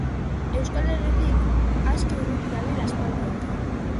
Euskal Herritik aski urruti nabil aspaldian.